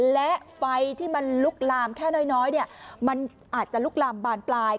และไฟที่มันลุกลามแค่น้อยมันอาจจะลุกลามบานปลาย